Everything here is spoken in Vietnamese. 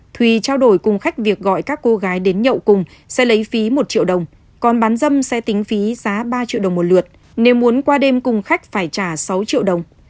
thùy trao đổi cùng khách việc gọi các cô gái đến nhậu cùng sẽ lấy phí một triệu đồng còn bán dâm xe tính phí giá ba triệu đồng một lượt nếu muốn qua đêm cùng khách phải trả sáu triệu đồng